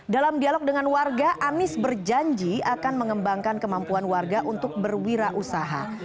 dalam dialog dengan warga anies berjanji akan mengembangkan kemampuan warga untuk berwirausaha